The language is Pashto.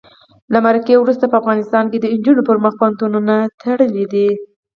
له مرګه وروسته په افغانستان کې د نجونو پر مخ پوهنتونونه تړلي دي.